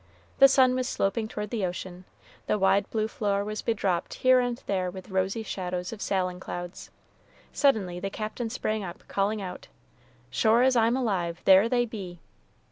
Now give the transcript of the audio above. The sun was sloping toward the ocean; the wide blue floor was bedropped here and there with rosy shadows of sailing clouds. Suddenly the Captain sprang up, calling out, "Sure as I'm alive, there they be!"